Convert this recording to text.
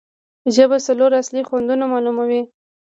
ژبه څلور اصلي خوندونه معلوموي.